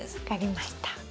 分かりました。